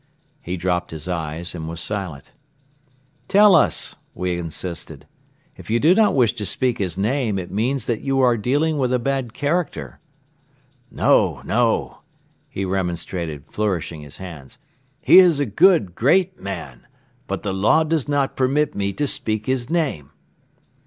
He dropped his eyes and was silent. "Tell us," we insisted. "If you do not wish to speak his name, it means that you are dealing with a bad character." "No! No!" he remonstrated, flourishing his hands. "He is a good, great man; but the law does not permit me to speak his name."